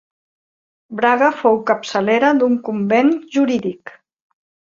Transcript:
Braga fou capçalera d'un convent jurídic.